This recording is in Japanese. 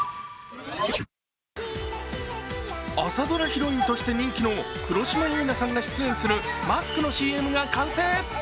朝ドラヒロインとして人気の黒島結菜さんが出演するマスクのＣＭが完成。